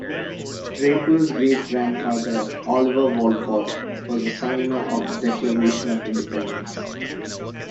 Draper's great-grandfather, Oliver Wolcott, was a signer of the Declaration of Independence.